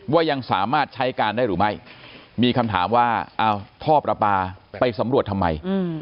ว่ายังสามารถใช้การได้หรือไม่มีคำถามว่าเอาท่อประปาไปสำรวจทำไม